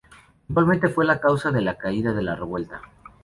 Igualmente, fue la causa de la caída de la revuelta.